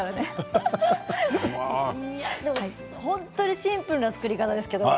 本当にシンプルな作り方ですけれども。